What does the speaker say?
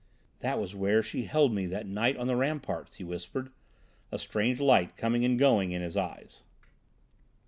"That was where she held me that night on the ramparts," he whispered, a strange light coming and going in his eyes.